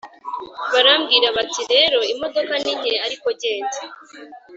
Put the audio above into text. Barambwira bati rero imodoka ni nke ariko genda